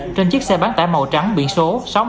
trên chiếc xe bán tải màu trắng biển số